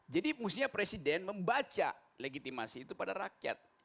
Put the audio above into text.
jadi musuhnya presiden membaca legitimasi itu pada rakyat